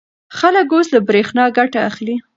خلک اوس له برېښنا ګټه اخلي.